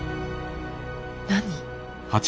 何。